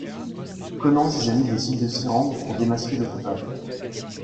Conan et ses amis décident de s'y rendre pour démasquer le coupable.